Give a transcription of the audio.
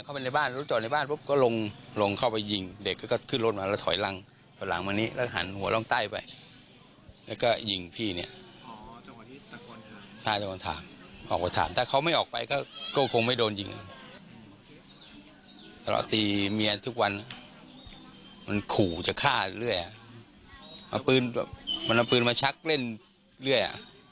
เอาปืนมาชักเล่นเรื่อย